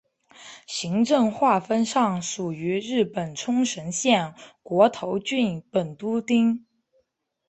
行政划分上属于日本冲绳县国头郡本部町。